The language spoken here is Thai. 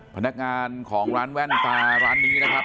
พนักงานของร้านแว่นตาร้านนี้นะครับ